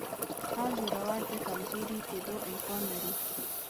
هر زورور د کمزوري کېدو امکان لري